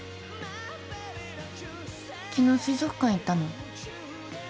昨日、水族館行ったの？